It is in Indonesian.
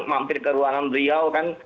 mampir ke ruangan beliau kan